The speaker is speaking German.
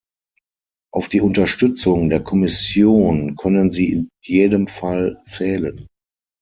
Auf die Unterstützung der Kommission können Sie in jedem Fall zählen.